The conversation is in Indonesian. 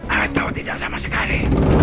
aku tau tidak sama sekali